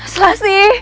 selasi dimana nak